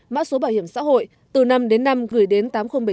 mã số bảo hiểm xã hội từ năm đến năm gửi đến tám nghìn bảy mươi